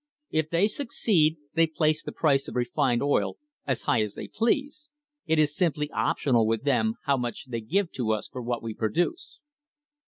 If they succeed they place the price of refined oil as high as they please. It is simply optional with them how much to give us for what we produce."